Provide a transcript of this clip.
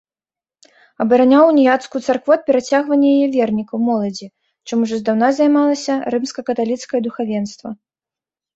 Абараняў уніяцкую царкву ад перацягвання яе вернікаў, моладзі, чым ужо здаўна займалася рымска-каталіцкае духавенства.